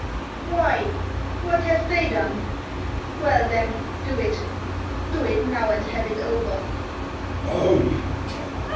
"Why? What have THEY done? ... Well, then, do it. ... Do it now, and have it over."